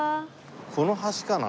この橋かな？